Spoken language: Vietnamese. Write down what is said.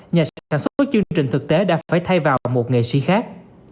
nhà sản xuất của chương trình thực tế đã phải thay vào một nghệ sĩ khác